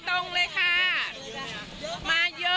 ตั้งใจมั้ย